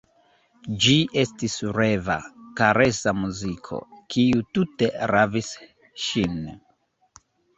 Ĝi estis reva, karesa muziko, kiu tute ravis ŝin.